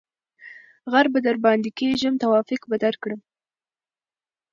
ـ غر به درباندې کېږم توافق به درکړم.